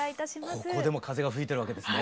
ここでも風が吹いてるわけですね。